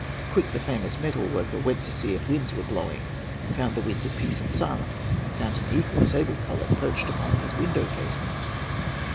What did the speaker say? Quick the famous metal worker Went to see if winds were blowing; Found the winds at peace and silent, Found an eagle, sable colored, Perched upon his window casement.